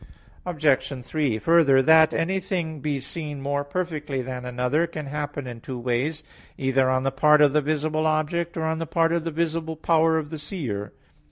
Obj. 3: Further, That anything be seen more perfectly than another can happen in two ways: either on the part of the visible object, or on the part of the visual power of the seer.